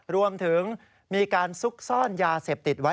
รวมถึงมีการซุกซ่อนยาเสพติดไว้